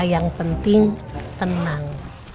yang penting tenang